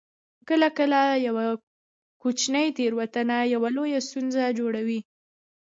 کله کله یوه کوچنۍ تیروتنه لویه ستونزه جوړوي